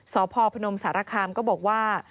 สพพนมสารคามก็บอกว่า